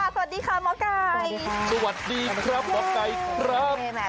สวัสดีค่ะหมอไก่สวัสดีครับหมอไก่ครับ